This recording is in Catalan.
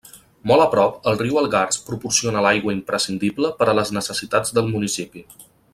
Molt a prop, el riu Algars proporciona l'aigua imprescindible per a les necessitats del municipi.